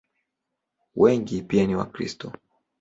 Wengi pia ni Wakristo.